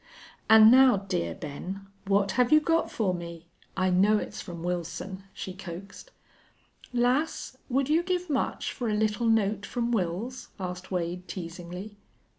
"And now, dear Ben what have you got for me? I know it's from Wilson," she coaxed. "Lass, would you give much for a little note from Wils?" asked Wade, teasingly.